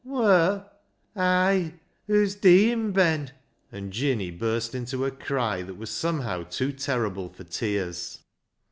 " Wur ? Ay, hoo's deein', Ben," and Jinny burst into a cry that was somehow too terrible for tears.